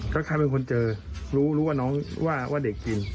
ก็ใครเป็นคนเจอรู้รู้ว่าน้องว่าเด็กกิน